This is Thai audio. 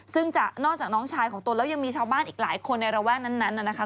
ซึ่งจะนอกจากน้องชายของตนแล้วยังมีชาวบ้านอีกหลายคนในระแวกนั้นน่ะนะคะ